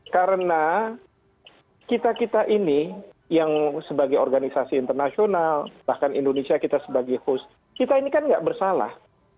karena kita kita ini yang sebagai organisasi internasional bahkan indonesia kita sebagai host kita ini kan nggak bersalah